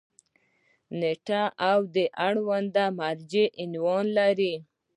نیټه او د اړونده مرجع عنوان ولري.